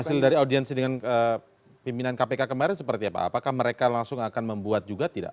hasil dari audiensi dengan pimpinan kpk kemarin seperti apa apakah mereka langsung akan membuat juga tidak